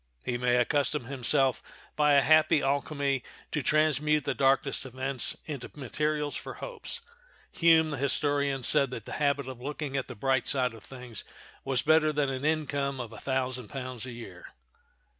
He may accustom himself, by a happy alchemy, to transmute the darkest events into materials for hopes. Hume, the historian, said that the habit of looking at the bright side of things was better than an income of a thousand pounds a year.